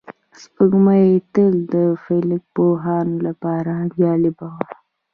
سپوږمۍ تل د فلک پوهانو لپاره جالبه وه